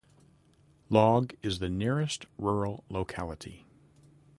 Log is the nearest rural locality.